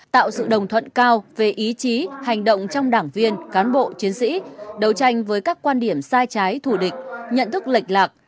tạo sự đồng thuận cao về ý chí hành động trong đảng viên cán bộ chiến sĩ đấu tranh với các quan điểm sai trái thủ địch nhận thức lệch lạc